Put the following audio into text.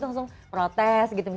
terus langsung protes gitu